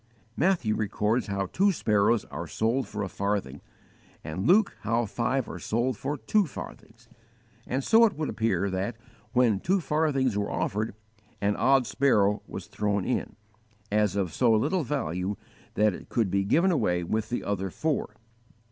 "_ Matthew records (x. 29) how two sparrows are sold for a farthing, and Luke (xii. 6) how five are sold for two farthings; and so it would appear that, when two farthings were offered, an odd sparrow was thrown in, as of so little value that it could be given away with the other four.